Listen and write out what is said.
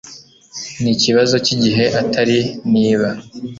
Ni ikibazo cyigihe atari niba